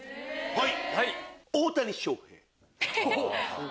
はい！